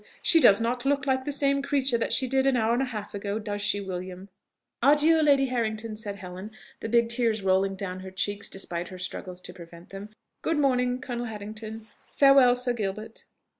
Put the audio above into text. she does not look like the same creature that she did an hour and a half ago does she, William?" "Adieu, Lady Harrington!" said Helen, the big tears rolling down her cheeks despite her struggles to prevent them. "Good morning, Colonel Harrington; farewell, Sir Gilbert!"